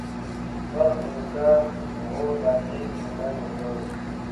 بلخ اروزګان غور بادغيس هلمند نيمروز